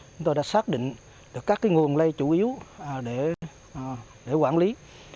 chúng tôi đã xác định được các nguồn lây chủ yếu để quản lý